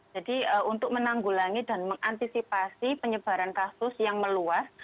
jadi untuk menanggulangi dan mengantisipasi penyebaran kasus yang meluas